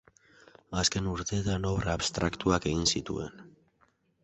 Azken urteetan obra abstraktuak egin zituen.